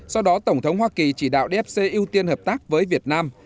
sau đó tổng thống hoa kỳ chỉ đạo dfc ưu tiên hợp tác với việt nam